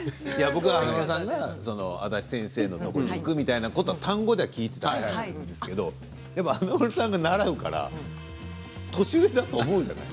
僕は華丸さんが安達先生のところに行くみたいなことは単語では聞いていたんですけれど、華丸さんが習うから年上だと思うじゃない？